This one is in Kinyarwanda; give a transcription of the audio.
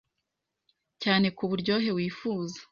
cyane ku buryohe wifuza